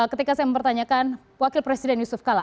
ketika saya mempertanyakan wakil presiden yusuf kala